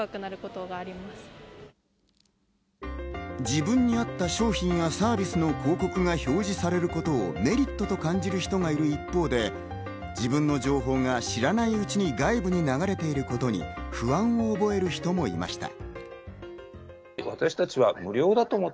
自分に合った商品やサービスの広告が表示されることをメリットと感じる人がいる一方で、自分の情報が知らないうちに外部に流れていることに不安を覚える人もいました。